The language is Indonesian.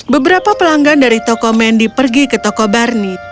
beberapa pelanggan dari toko mendy pergi ke toko barni